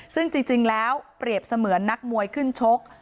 ซึ่งจริงแล้วเปรียบเสมือนนักมวยขึ้นชก